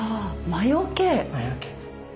魔よけ。